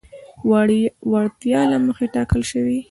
وړتیا له مخې ټاکل شوي.